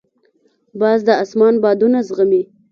باز د اسمان بادونه زغمي